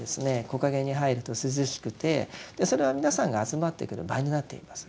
木陰に入ると涼しくてそれは皆さんが集まってくる場になっています。